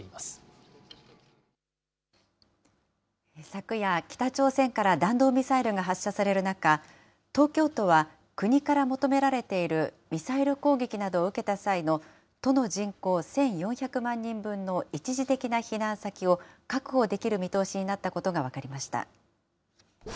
昨夜、北朝鮮から弾道ミサイルが発射される中、東京都は国から求められているミサイル攻撃などを受けた際の都の人口１４００万人分の一時的な避難先を確保できる見通しになったことが分かりました。